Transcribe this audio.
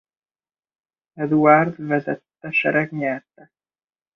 Eduárd vezette sereg nyerte.